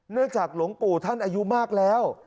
จากหลวงปู่ท่านอายุมากแล้ว